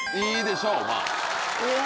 いいでしょうまぁ。